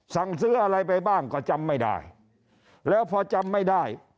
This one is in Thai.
สั่งซื้ออะไรไปบ้างก็จำไม่ได้แล้วพอจำไม่ได้